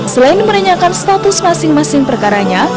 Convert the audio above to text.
selain menanyakan status masing masing perkaranya